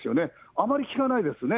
あまり聞かないですね。